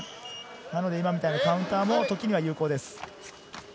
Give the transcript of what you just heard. なので、今みたいなカウンターも時には有効です。